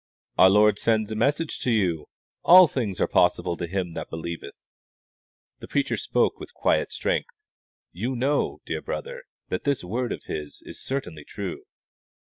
"Our Lord sends a message to you: 'All things are possible to him that believeth.'" The preacher spoke with quiet strength. "You know, dear brother, that this word of His is certainly true."